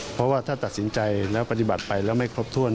เพราะว่าถ้าตัดสินใจแล้วปฏิบัติไปแล้วไม่ครบถ้วน